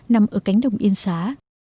nằm ở cánh đồng yên xá